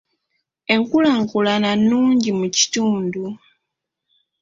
Enkulaakulana nnungi ku kitundu.